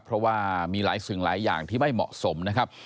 เพราะว่ามีหลายสิ่งหลายอย่างที่ไม่เหมาะสมนะครับ